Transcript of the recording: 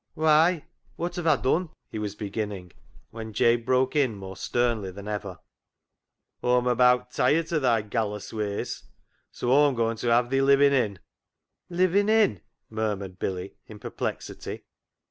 " Why, wot have Aw dun ?" he was begin ning, when Jabe broke in more sternly than ever —" Aw'm abaat tiret o' thy gallus ways, so Aw'm goin' ta have thi livin' in." " Livin' in ?" murmured Billy in perplexity.